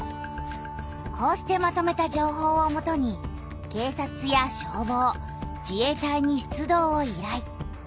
こうしてまとめた情報をもとに警察や消防自衛隊に出動を依頼。